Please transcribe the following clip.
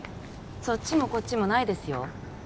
そっちもこっちもないですよ